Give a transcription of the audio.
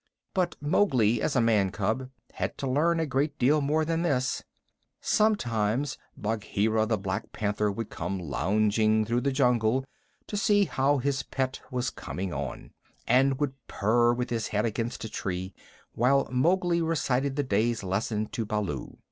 But Mowgli, as a man cub, had to learn a great deal more than this. Sometimes Bagheera the Black Panther would come lounging through the jungle to see how his pet was getting on, and would purr with his head against a tree while Mowgli recited the day's lesson to Baloo.